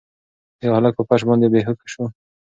ایا هلک په فرش باندې بې هوښه شو؟